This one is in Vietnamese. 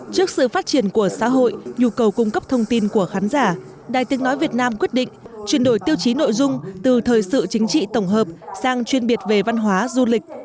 trước sự phát triển của xã hội nhu cầu cung cấp thông tin của khán giả đài tiếng nói việt nam quyết định chuyển đổi tiêu chí nội dung từ thời sự chính trị tổng hợp sang chuyên biệt về văn hóa du lịch